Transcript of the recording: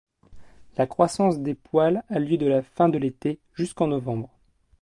La croissance des poils a lieu de la fin de l'été jusqu'en novembre.